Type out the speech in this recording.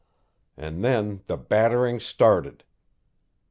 And then the battering started.